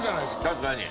確かに。